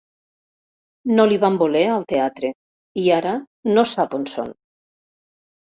No l'hi van voler, al teatre, i ara no sap on són.